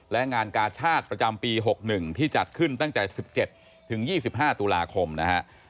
และงานกาชาติประจำปี๖๑ที่จัดขึ้นตั้งแต่๑๗ถึง๒๕ตุลาคมนะฮะ